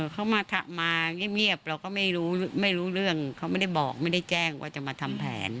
เขามาเงียบเราก็ไม่รู้ไม่รู้เรื่องเขาไม่ได้บอกไม่ได้แจ้งว่าจะมาทำแผน